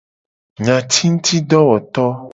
Nyatingutidowoto.